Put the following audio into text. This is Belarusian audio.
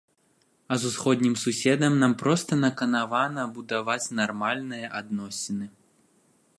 А з усходнім суседам нам проста наканавана будаваць нармальныя адносіны.